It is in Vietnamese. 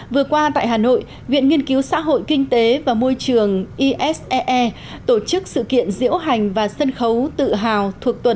vừa qua tại hà nội viện nghiên cứu xã hội kinh tế và môi trường isee tổ chức sự kiện diễu hành và sân khấu tự hào thuộc tuần